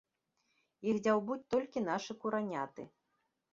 Іх дзяўбуць толькі нашы кураняты.